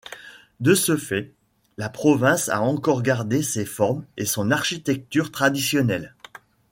De ce fait, la province a encore gardé ses formes et son architecture traditionnelles.